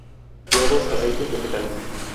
Huevos, aceites vegetales.